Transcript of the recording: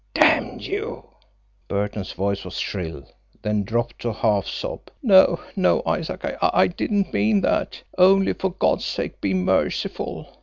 "Damn you!" Burton's voice was shrill, then dropped to a half sob. "No, no, Isaac, I didn't mean that. Only, for God's sake be merciful!